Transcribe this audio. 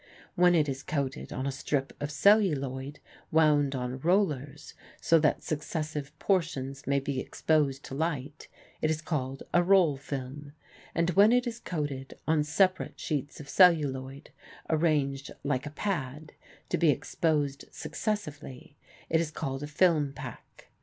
When it is coated on a strip of celluloid wound on rollers so that successive portions may be exposed to light, it is called a roll film, and when it is coated on separate sheets of celluloid, arranged like a pad, to be exposed successively, it is called a film pack.